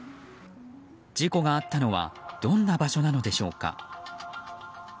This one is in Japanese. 事故があったのはどんな場所なのでしょうか。